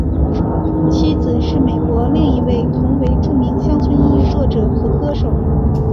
妻子是美国另一位同为著名乡村音乐作者和歌手。